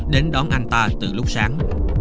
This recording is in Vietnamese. đến đón anh ta từ lúc sáng